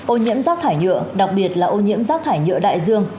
ô nhiễm rác thải nhựa đặc biệt là ô nhiễm rác thải nhựa đại dương